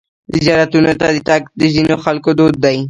زیارتونو ته تګ د ځینو خلکو دود دی.